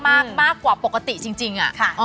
เยอะมากมากกว่าปกติจริงอะ